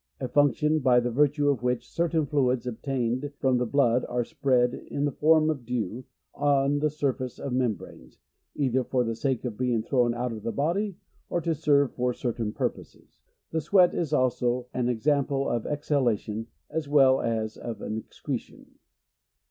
A fanction, by the virtue of which ocrtain fluids obtained from the blood are spread, in the form of dew, on the surface of membranes, either for the sake of being thrown out of the body, or to serve for cer tain purposes. The sweat is an ex ample of an exhalation as well as of an excretion.